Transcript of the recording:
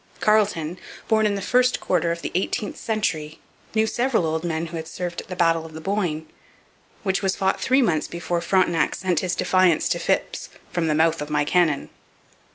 Carleton, born in the first quarter of the eighteenth century, knew several old men who had served at the Battle of the Boyne, which was fought three months before Frontenac sent his defiance to Phips 'from the mouth of my cannon.'